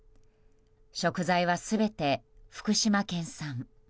食材は全て福島県産。